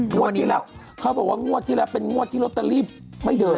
งวดที่แล้วเขาบอกว่างวดที่แล้วเป็นงวดที่ลอตเตอรี่ไม่เดิน